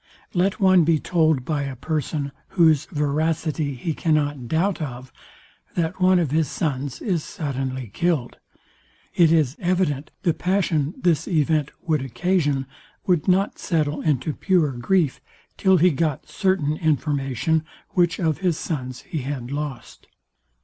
Let one be told by a person, whose veracity he cannot doubt of, that one of his sons is suddenly killed, it is evident the passion this event would occasion, would not settle into pure grief, till he got certain information, which of his sons he had lost.